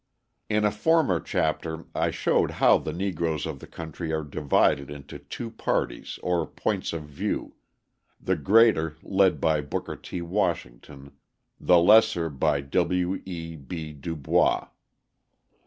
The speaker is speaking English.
In a former chapter I showed how the Negroes of the country are divided into two parties or points of view, the greater led by Booker T. Washington, the lesser by W. E. B. DuBois.